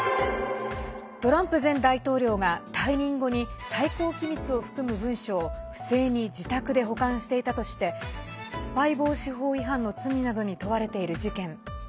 トランプ前大統領が退任後に最高機密を含む文書を不正に自宅で保管していたとしてスパイ防止法違反の罪などに問われている事件。